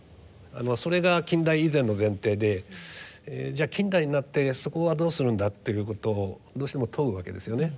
それが近代以前の前提でじゃあ近代になってそこはどうするんだっていうことをどうしても問うわけですよね。